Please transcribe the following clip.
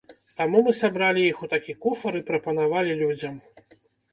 Таму мы сабралі іх у такі куфар і прапанавалі людзям.